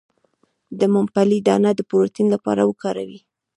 د ممپلی دانه د پروتین لپاره وکاروئ